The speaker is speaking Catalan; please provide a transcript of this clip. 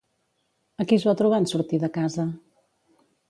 A qui es va trobar en sortir de casa?